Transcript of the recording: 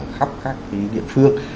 khắp các cái địa phương